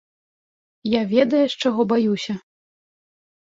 Я, ведаеш, чаго баюся?